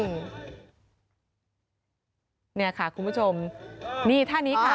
เนี่ยค่ะคุณผู้ชมนี่ท่านี้ค่ะ